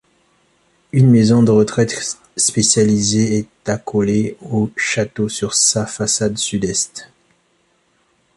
Une maison de retraite spécialisée est accolée au château sur sa façade sud-est.